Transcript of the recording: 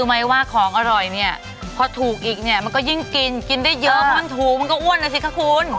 มันก็ยิ่งกินกินได้เยอะเพราะมันถูกแล้วก็อ้อนนะสิค่ะคุณ